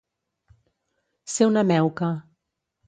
Ser una meuca.